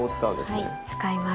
はい使います。